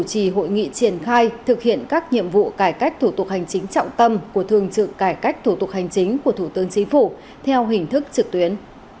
trì hội nghị triển khai thực hiện các nhiệm vụ cải cách thủ tục hành chính trọng tâm của thường trực cải cách thủ tục hành chính của thủ tướng chính phủ theo hình thức trực tuyến